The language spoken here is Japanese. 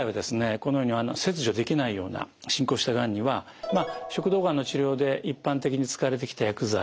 このように切除できないような進行したがんには食道がんの治療で一般的に使われてきた薬剤を使っていました。